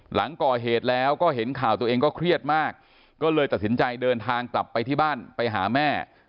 หลังก่อเหตุแล้วก็เห็นข่าวตัวเองก็เครียดมากก็เลยตัดสินใจเดินทางกลับไปที่บ้านไปหาแม่